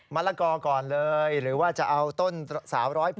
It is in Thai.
มะละกอก่อนเลยหรือว่าจะเอาต้นสาวร้อยผัวก่อน